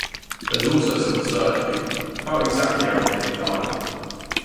There is also some uncertainty about exactly how Kinnick died.